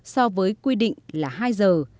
so với quy định là hai giờ